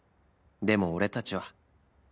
でも俺たちは